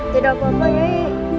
tidak apa apa nyai